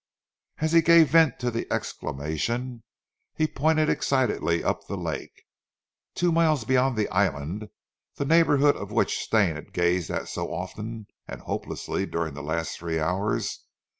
As he gave vent to the exclamation, he pointed excitedly up the lake, two miles beyond the island, the neighbourhood of which Stane had gazed at so often and hopelessly during the last three hours.